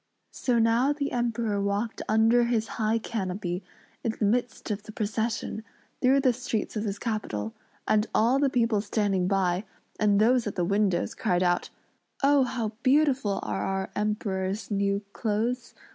So now the Emperor walked under his high canopy in the midst of the procession, through the streets of his capital; and all the people standing by, and those at the windows, cried out, "Oh! How beautiful are our Emperor's new clothes!